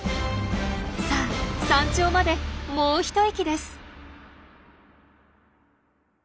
さあ山頂までもう一息です。